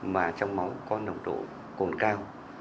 mà trong máu có nồng độ cồn cao